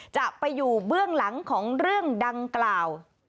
จะไปอยู่เบื้องหลังของเรื่องดังกล่าว